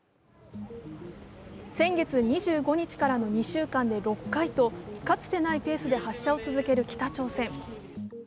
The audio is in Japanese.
先月２５日からの２週間で６回とかつてないペースで発射を続ける北朝鮮。